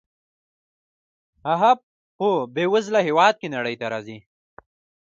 هغه په بې وزله هېواد کې نړۍ ته راځي.